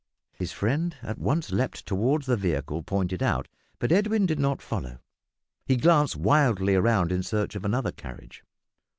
His friend at once leaped towards the vehicle pointed out, but Edwin did not follow, he glanced wildly round in search of another carriage.